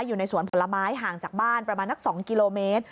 อยู่ในสวนผลไม้ห่างจากบ้านประมาณนัก๒กิโลเมตร